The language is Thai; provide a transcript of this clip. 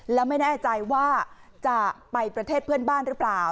แล้วไม่แน่ใจว่าจะไปประเทศเพื่อนบ้านหรือเปล่า